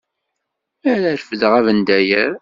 Mi ara refdeɣ abendayer.